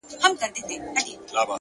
د احساساتو توازن د عقل ځواک زیاتوي!